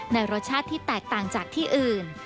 รสชาติที่แตกต่างจากที่อื่น